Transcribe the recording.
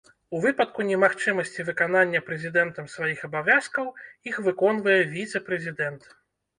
У выпадку немагчымасці выканання прэзідэнтам сваіх абавязкаў іх выконвае віцэ-прэзідэнт.